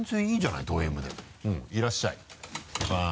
いらっしゃいバン。